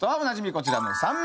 こちらの３名。